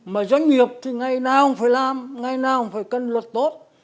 mà doanh nghiệp thì ngày nào cũng phải làm ngày nào cũng phải cân luật tốt